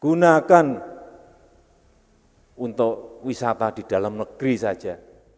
gunakan untuk wisata di dalam negeri saja